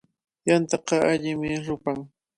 Yantaqa allimi rupan.